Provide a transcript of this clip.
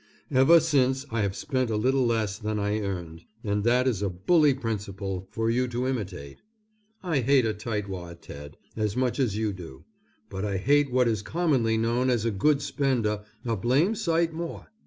Ever since I have spent a little less than I earned, and that is a bully principle for you to imitate. I hate a tightwad, Ted, as much as you do; but I hate what is commonly known as a good spender a blame sight more.